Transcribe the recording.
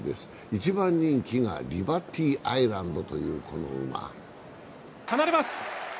一番人気がリバティアイランドというこの馬。